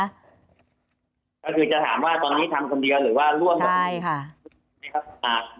ก็คือจะถามว่าตอนนี้ทำคนเดียวหรือว่าร่วมกับใครค่ะ